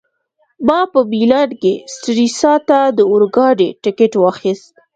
ما په میلان کي سټریسا ته د اورګاډي ټکټ واخیست.